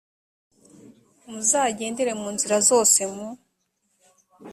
muzagendere mu nzira zose m